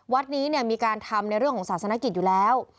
วัดนี้มีการทำในเรื่องของศาสนกิจอยู่แล้ว